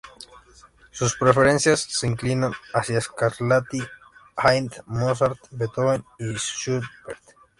Sus preferencias se inclinan hacia Scarlatti, Haydn, Mozart, Beethoven y Schubert.